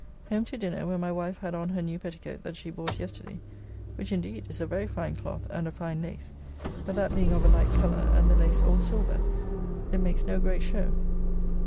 Home to dinner, where my wife had on her new petticoat that she bought yesterday, which indeed is a very fine cloth and a fine lace; but that being of a light colour, and the lace all silver, it makes no great show.